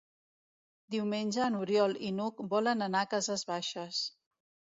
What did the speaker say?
Diumenge n'Oriol i n'Hug volen anar a Cases Baixes.